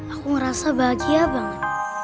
aku ngerasa bahagia banget